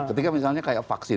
ketika misalnya kayak vaksin